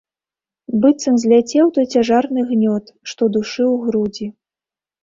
Быццам зляцеў той цяжарны гнёт, што душыў грудзі.